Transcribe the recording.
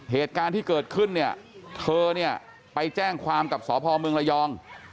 เหตุการณ์ที่เกิดขึ้นเนี่ยเธอเนี่ยไปแจ้งความกับสพเมืองระยอง